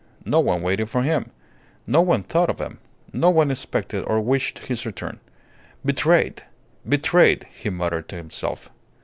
No one waited for him; no one thought of him; no one expected or wished his return. "Betrayed! Betrayed!" he muttered to himself.